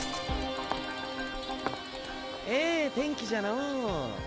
ええ天気じゃのう。